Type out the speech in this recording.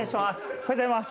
おはようございます。